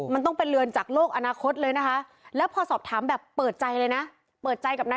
มันต้องเป็นเรือนจากโลกอนาคตเลยนะคะ